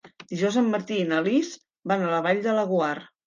Dijous en Martí i na Lis van a la Vall de Laguar.